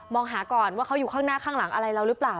หาก่อนว่าเขาอยู่ข้างหน้าข้างหลังอะไรเราหรือเปล่า